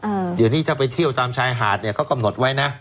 เดี๋ยวนี้ถ้าไปเที่ยวตามชายหาดเนี้ยเขากำหนดไว้นะ